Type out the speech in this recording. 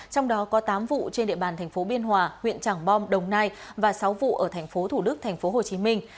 trong đó có tám vụ trên địa bàn tp biên hòa huyện trảng bom đồng nai và sáu vụ ở tp thủ đức tp hồ chí minh